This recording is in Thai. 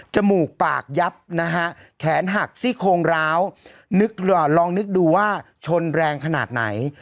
มูกปากยับนะฮะแขนหักซี่โครงร้าวลองนึกดูว่าชนแรงขนาดไหน